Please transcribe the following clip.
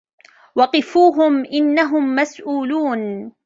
وقفوهم إنهم مسئولون